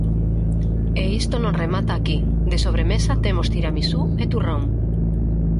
E isto non remata aquí, de sobremesa temos tiramisú e turrón.